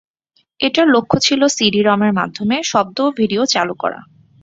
এটার লক্ষ্য ছিল সিডি-রমের মধ্যমে শব্দ ও ভিডিও চালু করা।